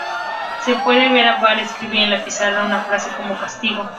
Se puede ver a Bart escribir en la pizarra una frase como castigo.